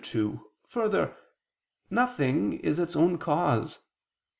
2: Further, nothing is its own cause.